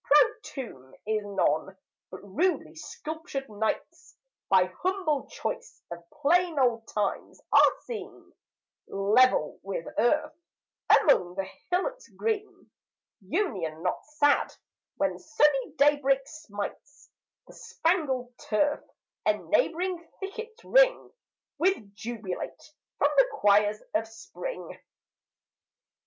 Proud tomb is none; but rudely sculptured knights, By humble choice of plain old times, are seen 10 Level with earth, among the hillocks green: Union not sad, when sunny daybreak smites The spangled turf, and neighbouring thickets ring With jubilate from the choirs of spring!